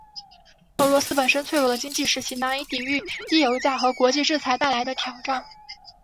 俄罗斯本身脆弱的经济使其难以抵御低油价和国际制裁带来的挑战。